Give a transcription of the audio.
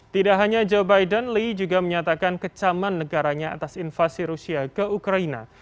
tidak hanya joe biden lee juga menyatakan kecaman negaranya atas invasi rusia ke ukraina